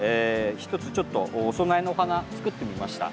１つちょっとお供えのお花、作ってみました。